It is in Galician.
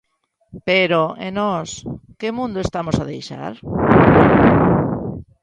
Pero e nós, que mundo estamos a deixar?